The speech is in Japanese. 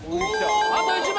あと１問。